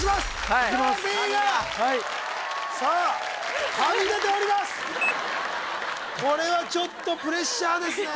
はい神がさあこれはちょっとプレッシャーですね